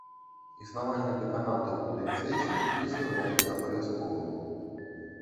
Існаванне дэканатаў у дыяцэзіі не з'яўляецца абавязковым.